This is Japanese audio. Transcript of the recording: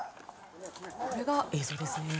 これが映像ですね。